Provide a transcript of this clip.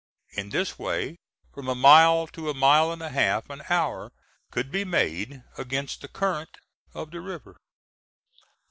In this way from a mile to a mile and a half an hour could be made, against the current of the river.